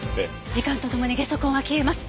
時間と共にゲソ痕は消えます。